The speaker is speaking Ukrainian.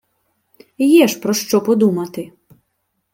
Є ж про що подумати